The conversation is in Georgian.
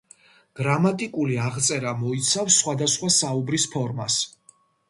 გრამატიკული აღწერა მოიცავს სხვადასხვა საუბრის ფორმას.